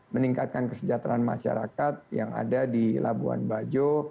meningkatkan kesejahteraan masyarakat yang ada di labuan bajo